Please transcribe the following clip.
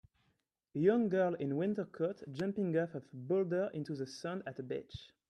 young girl in winter coat jumping off a boulder into the sand at a beach